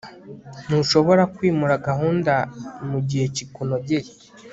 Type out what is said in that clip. ntushobora kwimura gahunda mugihe gikunogeye